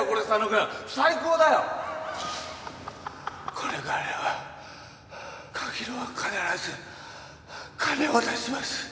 これがあれば柿野は必ず金を出します。